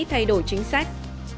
thay đổi chính sách